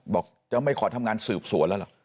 บอกจะไม่ขอทำงานสืบสวนแล้วเหรอ